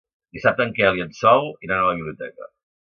Dissabte en Quel i en Sol iran a la biblioteca.